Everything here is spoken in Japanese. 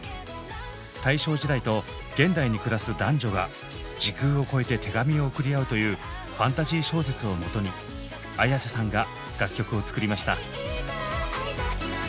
大正時代と現代に暮らす男女が時空を超えて手紙を送り合うというファンタジー小説をもとにＡｙａｓｅさんが楽曲を作りました。